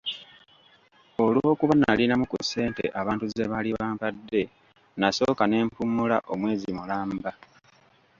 Olw'okuba nalinamu ku ssente abantu ze baali bampadde, nasooka ne mpummula omwezi mulamba.